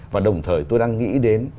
và đồng thời tôi đang nghĩ đến